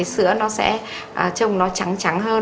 sữa nó sẽ trông nó trắng trắng hơn